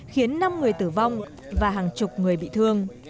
khiến năm người tử vong và hàng chục người bị thương